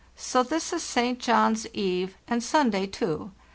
So this is St. John's eve, and Sunday, too.